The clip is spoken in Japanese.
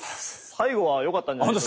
最後はよかったんじゃないですか。